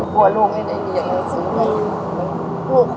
ต้องลุก